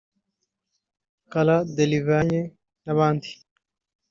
Cara Delevingne n’abandi